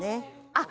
あっ！